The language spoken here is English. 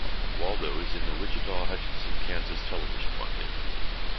Waldo is in the Wichita-Hutchinson, Kansas television market.